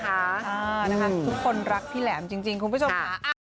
นะคะทุกคนรักพี่แหลมจริงคุณผู้ชมค่ะ